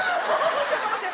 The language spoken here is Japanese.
もうちょっと待って！